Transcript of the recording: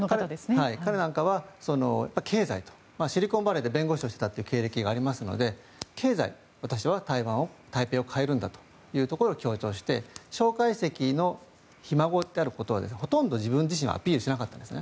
彼なんかは経済シリコンバレーで弁護士をしていたという経歴がありますので経済、私は台湾を、台北市を変えるんだというところを強調して蒋介石のひ孫であることはほとんど自分自身はアピールしなかったんです。